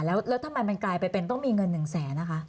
แล้วถ้ามันกลายไปเป็นต้องมีเงิน๑แสน